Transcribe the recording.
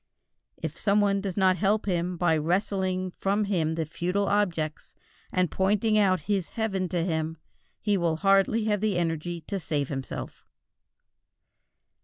If some one does not help him by wresting from him the futile objects, and pointing out his heaven to him, he will hardly have the energy to save himself.